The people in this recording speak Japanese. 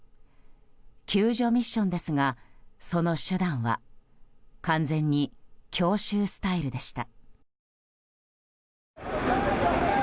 救助ミッションですがその手段は完全に強襲スタイルでした。